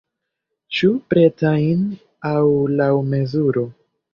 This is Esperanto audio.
Ĉu pretajn aŭ laŭ mezuro?